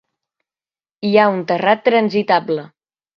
Hi ha un terrat transitable.